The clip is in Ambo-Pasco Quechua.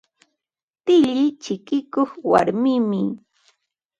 Tilli chikikuq warmimi.